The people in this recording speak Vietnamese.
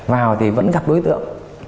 vào thì vẫn gặp đối tượng